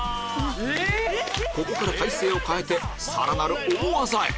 ここから体勢を変えてさらなる大技へ